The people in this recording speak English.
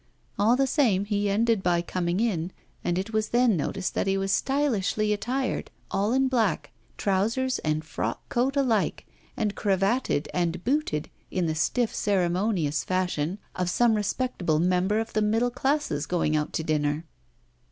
All the same, he ended by coming in, and it was then noticed that he was stylishly attired, all in black, trousers and frock coat alike, and cravated and booted in the stiff ceremonious fashion of some respectable member of the middle classes going out to dinner.